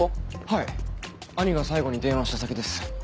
はい兄が最後に電話した先です。